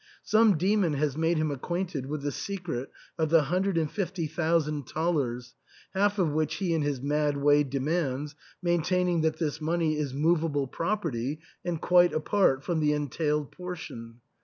Some demon has made him acquainted with the secret of the hundred and fifty thousand thalers, half of which he in his mad way de mands, maintaining that this money is movable prop erty and quite apart from the entailed portion.